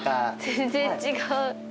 全然違う。